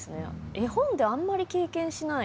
絵本であんまり経験しない。